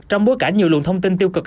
trong bối cả nhiều lượng thông tin tiêu cực